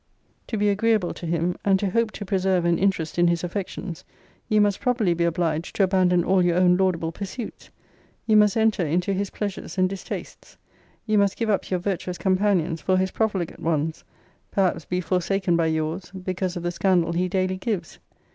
To be agreeable to him, and to hope to preserve an interest in his affections, you must probably be obliged to abandon all your own laudable pursuits. You must enter into his pleasures and distastes. You must give up your virtuous companions for his profligate ones perhaps be forsaken by your's, because of the scandal he daily gives.